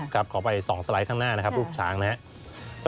ขอไป๒สไลด์ข้างหน้านะครับลูกช้างนะครับ